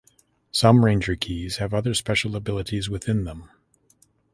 Some Ranger Keys have other special abilities within them.